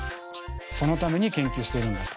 そのために研究してるんだと。